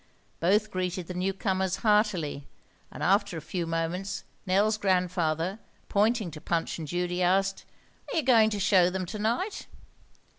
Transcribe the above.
Both greeted the newcomers heartily, and after a few moments Nell's grandfather, pointing to Punch and Judy, asked, "Are you going to show them to night?"